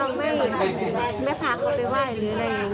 ลูกเขายังไม่พาเขาไปว่าย